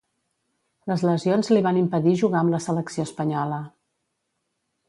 Les lesions li van impedir jugar amb la selecció espanyola.